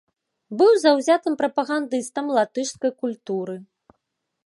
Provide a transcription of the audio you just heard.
Быў заўзятым прапагандыстам латышскай культуры.